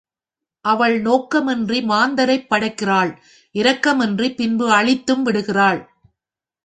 அவள் நோக்கமின்றி மாந்தரைப் படைக்கிறாள் இரக்கம் இன்றிப் பின்பு அழித்தும் விடுகிறாள்.